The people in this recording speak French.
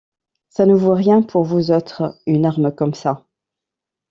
Ça ne vaut rien pour vous autres, une arme comme ça.